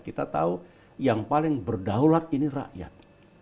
kita tahu yang paling berdaulat ini rakyat